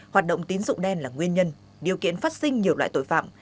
hoạt động tín dụng đen là nguyên nhân điều kiện phát sinh nhiều loại tội phạm